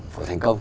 của thành công